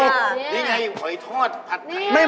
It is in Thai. นี่ไงหอยทอดผัดไข่เตียว